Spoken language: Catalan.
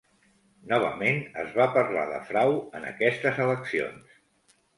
Novament es va parlar de frau en aquestes eleccions.